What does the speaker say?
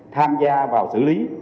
tham gia vào xử lý